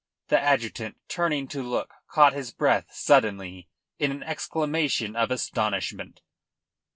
The adjutant, turning to look, caught his breath suddenly in an exclamation of astonishment.